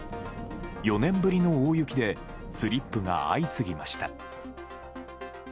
４年ぶりの大雪で、スリップが相次ぎました。